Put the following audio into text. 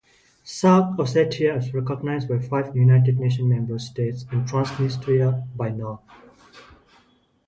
South Ossetia is recognized by five United Nations member states and Transnistria by none.